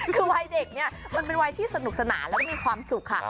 คือวัยเด็กเนี่ยมันเป็นวัยที่สนุกสนานแล้วก็มีความสุขค่ะ